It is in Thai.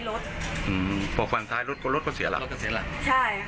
รถอืมพวกฟันท้ายรถพวกรถก็เสียหลักก็เสียหลักใช่